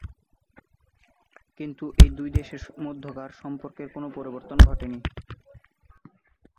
কিন্তু এই দুই দেশের মধ্যকার সম্পর্কের কোন পরিবর্তন ঘটে নি।